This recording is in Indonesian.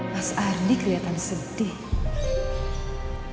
mas ardi kelihatan sedih